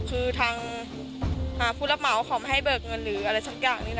คือทางผู้รับเหมาเขาไม่ให้เบิกเงินหรืออะไรสักอย่างนี้นะ